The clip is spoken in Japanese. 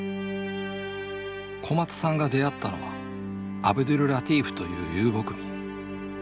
小松さんが出会ったのはアブドュルラティーフという遊牧民。